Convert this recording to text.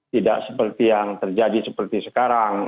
tidak seperti yang terjadi seperti sekarang